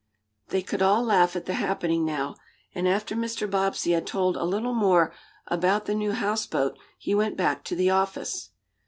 They could all laugh at the happening now, and after Mr. Bobbsey had told a little more about the new houseboat, he went back to the office.